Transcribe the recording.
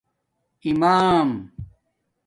امام